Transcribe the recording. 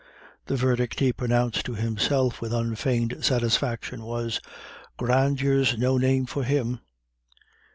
The verdict he pronounced to himself with unfeigned satisfaction was, "Grandeur's no name for him."